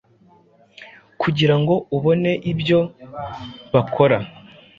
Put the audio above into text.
kugirango ubone ibyo bakora